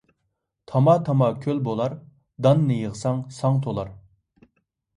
تاما - تاما كۆل بولار ، داننى يىغساڭ ساڭ تولار.